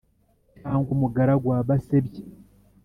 Cyangwa umugaragu wa Basebya